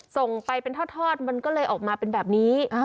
ส่งไปเป็นทอดมันก็เลยออกมาเป็นแบบนี้